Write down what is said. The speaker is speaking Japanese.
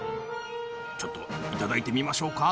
ちょっといただいてみましょうか？